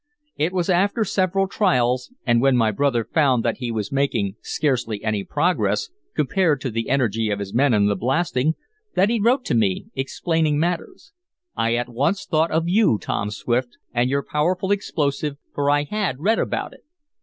"It was after several trials, and when my brother found that he was making scarcely any progress, compared to the energy of his men and the blasting, that he wrote to me, explaining matters. I at once thought of you, Tom Swift, and your powerful explosive, for I had read about it.